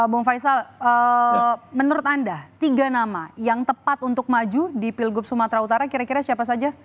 bung faisal menurut anda tiga nama yang tepat untuk maju di pilgub sumatera utara kira kira siapa saja